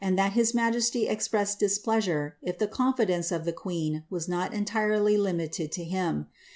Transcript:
that his majesty expressed displeasure if the confidence of the queen was not entirely limited to him.